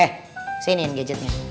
eh siniin gadgetnya